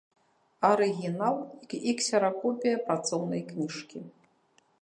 Арыгінал і ксеракопія працоўнай кніжкі.